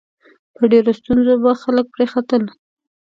په ډېرو ستونزو به خلک پرې ختل.